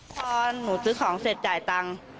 พอหนูซื้อของเสร็จจ่ายตังค์